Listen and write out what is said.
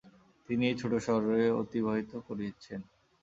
তিনি এই ছোট শহরে অতিবাহিত করেছেন।